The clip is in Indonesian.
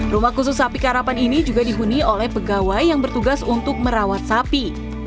rumah khusus sapi karapan ini juga dihuni oleh pegawai yang bertugas untuk merawat sapi